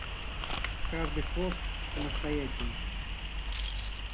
Каждый хост самостоятелен